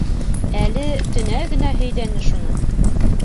Әле төнә генә һөйҙәне шуны.